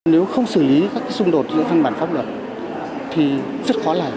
nếu không xử lý các cái xung đột giữa văn bản pháp luật thì rất khó làm